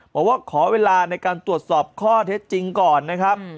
บอกว่าขอเวลาในการตรวจสอบข้อเท็จจริงก่อนนะครับ